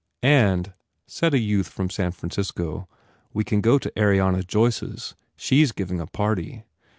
u And," said a youth from San Francisco, "we can go to Ariana Joyce s. She s giving a party."